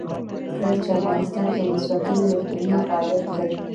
کله چې افغانستان کې ولسواکي وي روغتونونه فعالیت کوي.